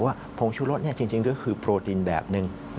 ว่าโผงชุรสจริงก็คือโปรตีนแบบหนึ่ง